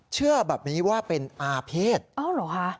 เชื่อแบบนี้ว่าเป็นอาเภษอ้าวเหรอคะ